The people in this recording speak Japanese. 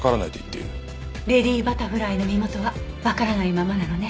レディバタフライの身元はわからないままなのね。